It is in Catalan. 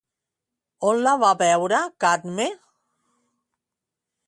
On la va veure Cadme?